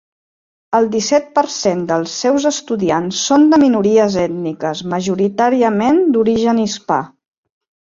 El disset per cent dels seus estudiants són de minories ètniques, majoritàriament d'origen hispà.